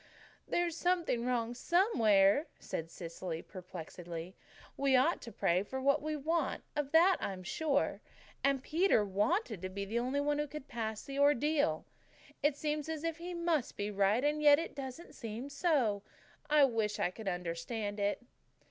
"There's something wrong somewhere," said Cecily perplexedly. "We ought to pray for what we want, of that I'm sure and Peter wanted to be the only one who could pass the Ordeal. It seems as if he must be right and yet it doesn't seem so. I wish I could understand it."